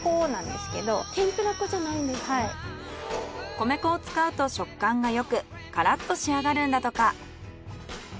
米粉を使うと食感がよくカラッと仕上がるんだとか。